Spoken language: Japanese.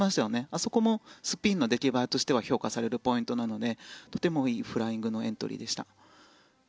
あそこもスピンの出来栄えとしては評価されるポイントなのでとてもいいフライングのエントリーでした。